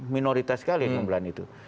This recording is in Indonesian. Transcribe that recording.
minoritas sekali yang membelan itu